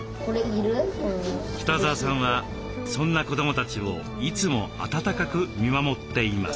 北澤さんはそんな子どもたちをいつも温かく見守っています。